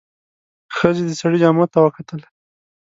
ښځې د سړي جامو ته وکتل.